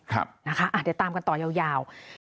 ครับนะคะเดี๋ยวตามกันต่อยาว